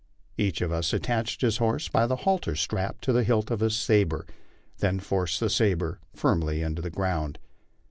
Each of us at tached his horse by the halter strap to the hilt of his sabre, then forced the sabre firmly into the ground.